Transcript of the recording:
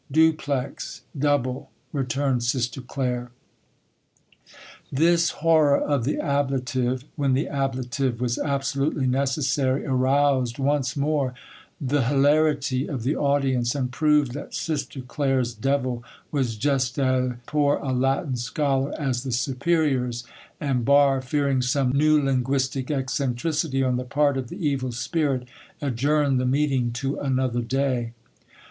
"Duplex" (Double), returned Sister Claire. This horror of the ablative, when the ablative was absolutely necessary, aroused once more the hilarity of the audience, and proved that Sister Claire's devil was just as poor a Latin scholar as the superior's, and Barre, fearing some new linguistic eccentricity on the part of the evil spirit, adjourned the meeting to another day.